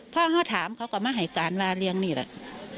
พ่อเขาถามเขาก็มาให้การว่าเลี้ยงนี่แหละ